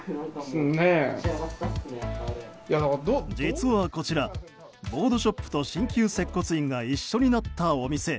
実はこちらボードショップと鍼灸接骨院が一緒になったお店。